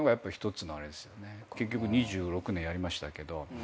結局２６年やりましたけど。